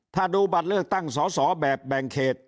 ถ้าดูบัตรเลือกตั้งสอสอแบบแบ่งเขต